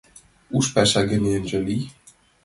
Уш паша гына ынже лий.